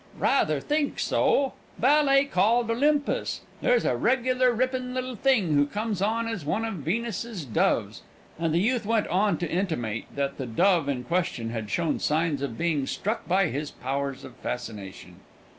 "Rather think so. Ballet called Olympus. There's a regular ripping little thing who comes on as one of Venus's doves." And the youth went on to intimate that the dove in question had shown signs of being struck by his powers of fascination.